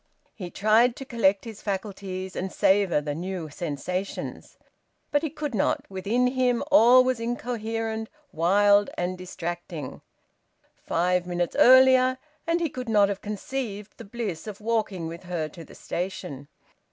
He tried to collect his faculties and savour the new sensations. But he could not. Within him all was incoherent, wild, and distracting. Five minutes earlier, and he could not have conceived the bliss of walking with her to the station.